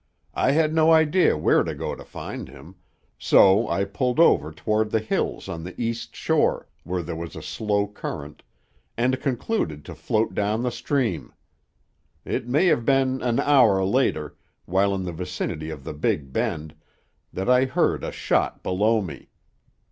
I had no idea where to go to find him, so I pulled over toward the hills on the east shore, where there was a slow current, and concluded to float down the stream. It may have been an hour later, while in the vicinity of the big bend, that I heard a shot below me.